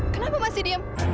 kenapa masih diem